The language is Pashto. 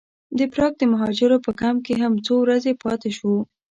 د پراګ د مهاجرو په کمپ کې هم څو ورځې پاتې شوو.